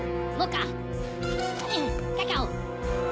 カカオ！